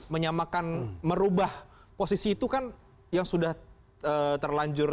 menyamakan merubah posisi itu kan yang sudah terlanjur